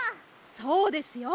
そうですよ。